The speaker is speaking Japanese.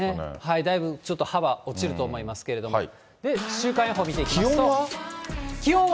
だいぶちょっと葉は落ちると思いますけど、週間予報見ていき気温は？